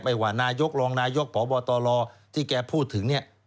ว่านายกรองนายกพบตรที่แกพูดถึงเนี่ย